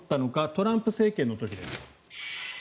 トランプ政権の時です。